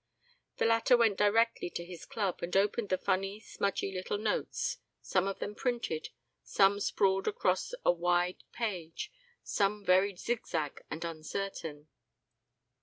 The latter went directly to his club, and opened the funny, smudgy little notes. Some of them printed; some sprawled across a wide page, some very zig zag and uncertain.